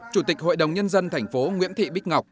chủ tịch hội đồng nhân dân thành phố nguyễn thị bích ngọc